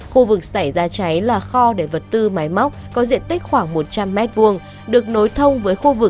khu vực xảy ra cháy là kho để vật tư máy móc có diện tích khoảng một trăm linh m hai